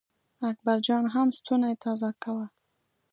اکبر جان هم ستونی تازه کاوه.